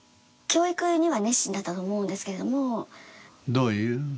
どういう？